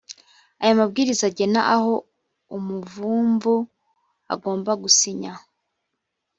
aya mabwiriza agena aho umuvumvu agomba gusinya